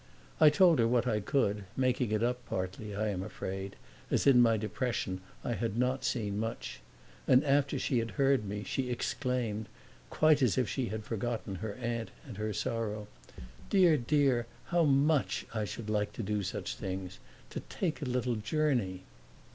I told her what I could, making it up partly, I am afraid, as in my depression I had not seen much; and after she had heard me she exclaimed, quite as if she had forgotten her aunt and her sorrow, "Dear, dear, how much I should like to do such things to take a little journey!"